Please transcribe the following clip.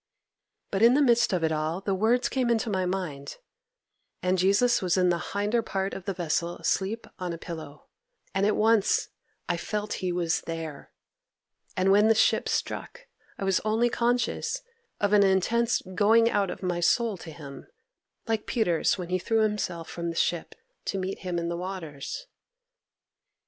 —but in the midst of it all the words came into my mind, "And Jesus was in the hinder part of the vessel asleep on a pillow," and at once I felt He was there; and when the ship struck, I was only conscious of an intense going out of my soul to Him, like Peter's when he threw himself from the ship to meet Him in the waters.